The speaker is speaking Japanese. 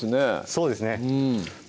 そうですね